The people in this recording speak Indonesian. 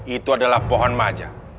itu adalah pohon maja